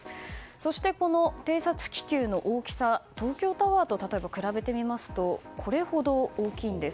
そして、この偵察気球の大きさは例えば東京タワーを比べてみるとこれほど大きいんです。